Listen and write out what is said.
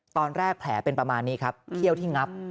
ตอนแรกแผลเป็นประมาณนี้ครับเคี่ยวที่งับ